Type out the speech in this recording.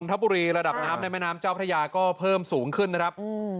ทบุรีระดับน้ำในแม่น้ำเจ้าพระยาก็เพิ่มสูงขึ้นนะครับ